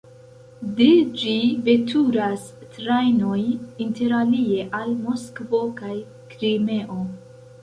De ĝi veturas trajnoj interalie al Moskvo kaj Krimeo.